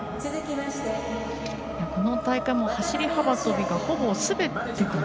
この大会の走り幅跳びほぼすべてかな。